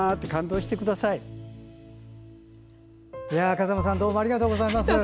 風間さんどうもありがとうございます。